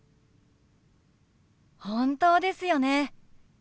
本当ですよね。